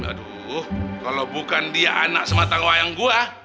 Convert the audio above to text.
aduh kalo bukan dia anak semata wayang gue